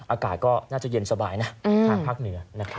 อากาศก็น่าจะเย็นสบายนะทางภาคเหนือ